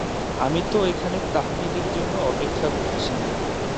আমি তো এখানে তাহমিদের জন্য অপেক্ষা করছি।